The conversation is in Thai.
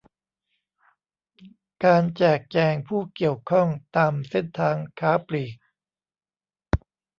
การแจกแจงผู้เกี่ยวข้องตามเส้นทางค้าปลีก